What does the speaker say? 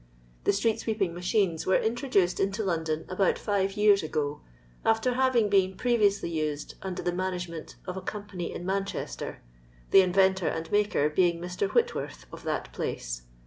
The street sweeping machines were introduced into London about five years ago, after having been previously used, under the management of a eompany, in Manchester, the inventor and makir being Mr. Whitworth, of that place.